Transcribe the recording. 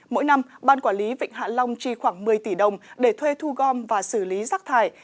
mỗi năm ban quản lý vịnh hạ long chi khoảng một mươi tỷ đồng để thuê thu gom và xử lý rác thải